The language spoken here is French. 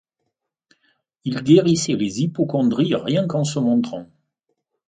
Il guérissait les hypocondries rien qu’en se montrant.